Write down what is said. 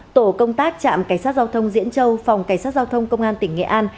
tổ công tác trạm cảnh sát giao thông diễn châu phòng cảnh sát giao thông công an tỉnh nghệ an